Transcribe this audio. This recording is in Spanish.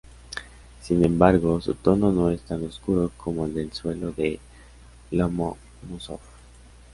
Sin embargo, su tono no es tan oscuro como el del suelo de Lomonosov.